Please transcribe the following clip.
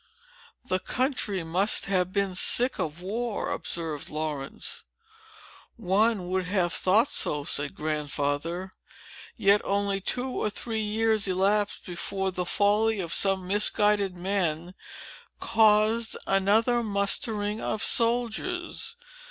"The country must have been sick of war," observed Laurence. "One would have thought so," said Grandfather. "Yet only two or three years elapsed, before the folly of some misguided men caused another mustering of soldiers.